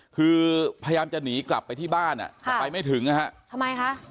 คือพยายามจะหนีกลับไปที่บ้านแต่ไปไม่ถึงนะฮะ